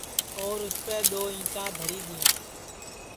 اور اُسپے دؔو اِنٹا دھری دیاں